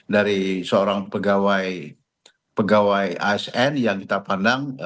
dari seorang pegawai asn yang kita pandang